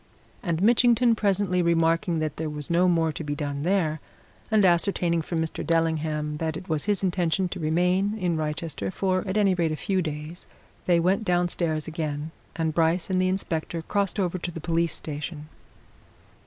And Mitchington presently remarking that there was no more to be done there, and ascertaining from Mr. Dellingham that it was his intention to remain in Wrychester for at any rate a few days, they went downstairs again, and Bryce and the inspector crossed over to the police station.